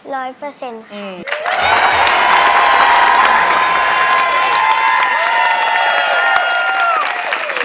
ร้อยเปอร์เซ็นต์ค่ะอืม